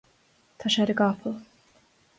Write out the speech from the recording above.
tá sé ar an gcapall